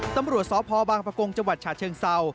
ตำรวจสพบางประกงจชาเชิงเซา